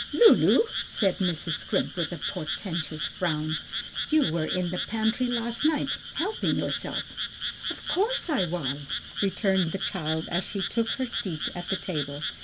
"Lulu," said Mrs. Scrimp with a portentous frown, "you were in the pantry last night, helping yourself." "Of course I was," returned the child as she took her seat at the table.